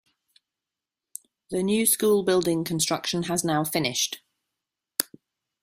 The new school building construction has now finished.